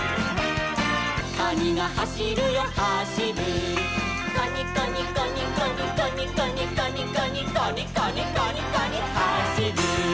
「カニがはしるよはしる」「カニカニカニカニカニカニカニカニ」「カニカニカニカニはしる」